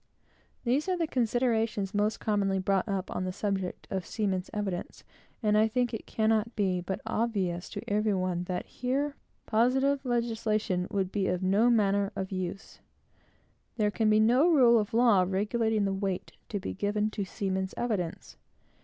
These are the considerations most commonly brought up on the subject of seamen's evidence; and I think it cannot but be obvious to every one that here, positive legislation would be of no manner of use. There can be no rule of law regulating the weight to be given to seamen's evidence.